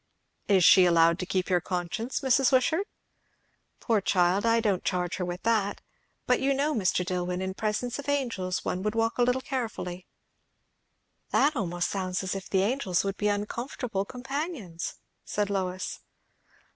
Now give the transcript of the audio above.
"Is she allowed to keep your conscience, Mrs. Wishart?" "Poor child! I don't charge her with that. But you know, Mr. Dillwyn, in presence of angels one would walk a little carefully!" "That almost sounds as if the angels would be uncomfortable companions," said Lois.